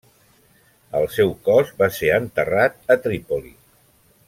El seu cos va ser enterrat a Trípoli.